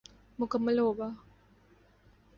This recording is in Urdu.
مکمل ہو گا۔